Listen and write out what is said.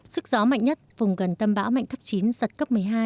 sức gió mạnh nhất vùng gần tâm bão mạnh cấp chín giật cấp một mươi hai